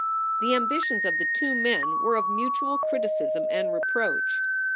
The ambitions of the two men were of mutual criticism and reproach.